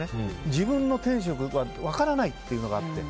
自分の天職が分からないというのがあって。